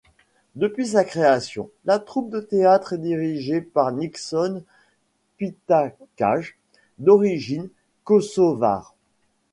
Depuis sa création, la troupe de théâtre est dirigée par Nikson Pitaqaj, d'origine kosovare.